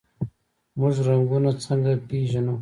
موږ رنګونه څنګه پیژنو؟